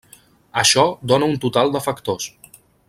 Això dóna un total de factors.